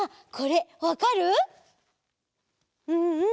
うんうん。